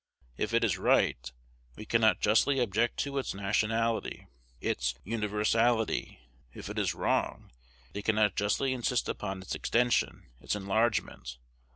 If it is right, we cannot justly object to its nationality, its universality; if it is wrong, they cannot justly insist upon its extension, its enlargement.